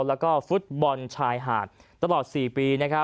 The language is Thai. และก็ฟุตบอลชายหาดตลอด๔ปีนะครับ